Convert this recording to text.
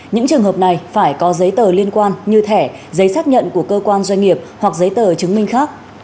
những trường hợp này phải có giấy tờ liên quan như thẻ giấy xác nhận của cơ quan doanh nghiệp hoặc giấy tờ chứng minh khác